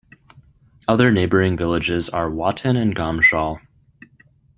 Other neighbouring villages are Wotton and Gomshall.